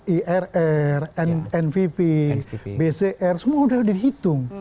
irr npp bcr semua sudah dihitung